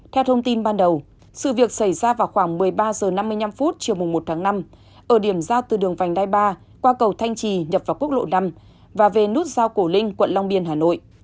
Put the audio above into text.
theo thông tin ban đầu sự việc xảy ra vào khoảng một mươi ba h năm mươi năm chiều một tháng năm ở điểm ra từ đường vành đai ba qua cầu thanh trì nhập vào quốc lộ năm và về nút giao cổ linh quận long biên hà nội